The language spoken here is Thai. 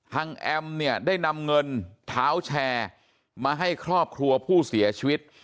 แอมเนี่ยได้นำเงินเท้าแชร์มาให้ครอบครัวผู้เสียชีวิต